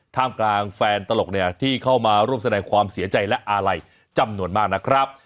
ท่ามกลางแฟนตลกเนี่ยที่เข้ามาร่วมแสดงความเสียใจและอาลัยจำนวนมากนะครับ